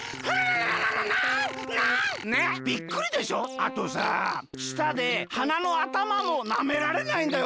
あとさしたではなのあたまもなめられないんだよ！